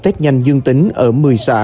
test nhanh dương tính ở một mươi xã